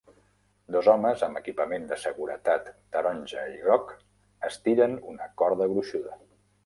Dos homes amb equipament de seguretat taronja i groc estiren una corda gruixuda.